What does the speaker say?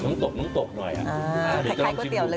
เนิ้งตกหน่อยอะ